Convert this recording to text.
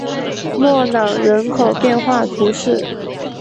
莫朗人口变化图示